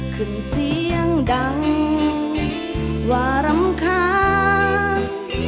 ขึ้นเสียงดังว่ารำคาญ